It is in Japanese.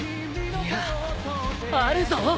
いやあるぞ。